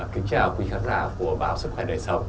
kính chào quý khán giả của báo sức khỏe đời sống